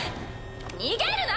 逃げるな！